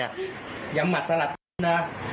เอาอ่ะน้ำมนิ่ง